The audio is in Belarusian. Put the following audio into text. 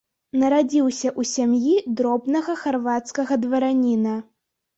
Нарадзіўся ў сям'і дробнага харвацкага двараніна.